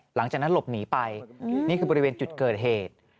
หลังจากนั้นหลบหนีไปนี่คือบริเวณจุดเกิดเหตุ